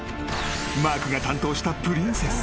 マークが担当したプリンセス］